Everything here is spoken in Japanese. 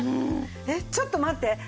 えっちょっと待って。